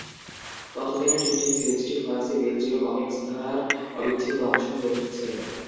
ততদিনে টিনটিন সিরিজটি ফরাসী-বেলজীয় কমিকস ধারার অবিচ্ছেদ্য অংশ হয়ে উঠেছে।